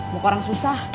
muka orang susah